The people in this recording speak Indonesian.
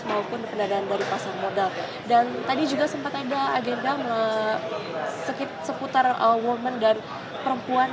maupun pendanaan dari pasar modal dan tadi juga sempat ada agenda seputar woman dan perempuan